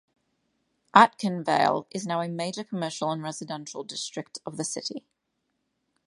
Aitkenvale is now a major commercial and residential district of the city.